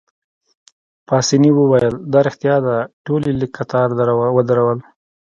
پاسیني وویل: دا ريښتیا ده، ټول يې لیک قطار ودرول.